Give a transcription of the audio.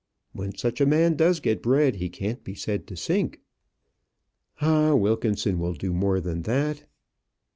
When such a man does get bread, he can't be said to sink." "Ah! Wilkinson will do more than that."